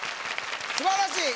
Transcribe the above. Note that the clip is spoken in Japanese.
素晴らしい！